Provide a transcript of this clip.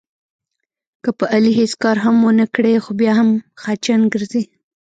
که په علي هېڅ کار هم ونه کړې، خو بیا هم خچن ګرځي.